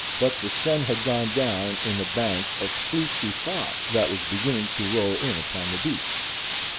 But the sun had gone down in a bank of fleecy fog that was beginning to roll in upon the beach.